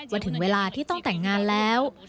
ถึงเวลาที่ต้องแต่งงานแล้ว